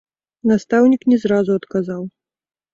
Настаўнік не зразу адказаў.